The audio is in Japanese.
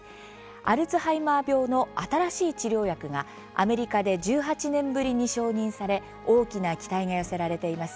アルツハイマー病の新しい治療薬がアメリカで１８年ぶりに承認され大きな期待が寄せられています。